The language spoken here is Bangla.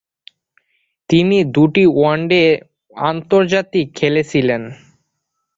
তিনি দুটি ওয়ানডে আন্তর্জাতিক খেলেছিলেন।